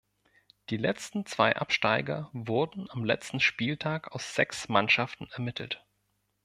Die letzten zwei Absteiger wurden am letzten Spieltag aus sechs Mannschaften ermittelt.